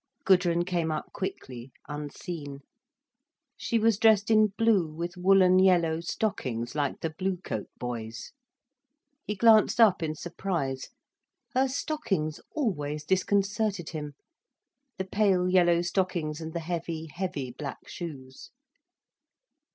Gudrun came up quickly, unseen. She was dressed in blue, with woollen yellow stockings, like the Bluecoat boys. He glanced up in surprise. Her stockings always disconcerted him, the pale yellow stockings and the heavy heavy black shoes.